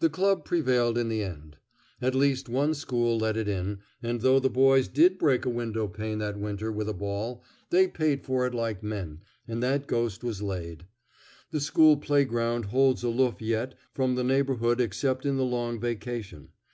The club prevailed in the end. At least one school let it in, and though the boys did break a window pane that winter with a ball, they paid for it like men, and that ghost was laid. The school playground holds aloof yet from the neighborhood except in the long vacation.